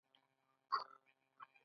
نیکه له غرور نه انکار کوي.